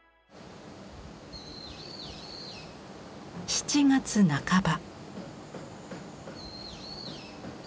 ７月半ば。